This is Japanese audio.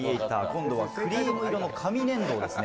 今度はクリーム色の紙粘土です。